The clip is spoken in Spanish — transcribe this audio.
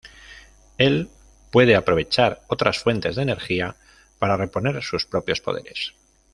Él puede aprovechar otras fuentes de energía para reponer sus propios poderes.